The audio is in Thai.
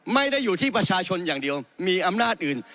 ไม่ได้อยู่ที่ประชาชนอย่างเดียวมีอำนาจอื่น